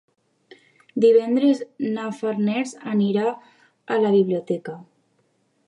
Divendres na Farners anirà a la biblioteca.